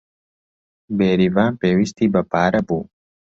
بێریڤان پێویستی بە پارە بوو.